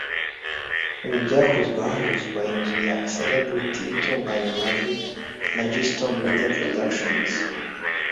Ibi byakozwe hahuzwa inzu ya Celebrity itunganya amajwi na G-Storm Media Productions